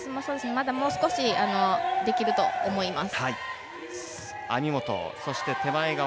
まだもう少しできると思います。